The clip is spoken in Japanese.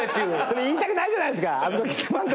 言いたくないじゃないですか。